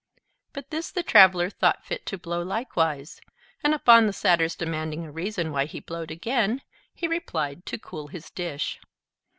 But this the Traveler thought fit to blow likewise; and upon the Satyr's demanding a reason why he blowed again, he replied, to cool his dish.